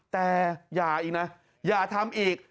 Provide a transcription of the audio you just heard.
แต่อย่าอีกนะอย่าทำอีก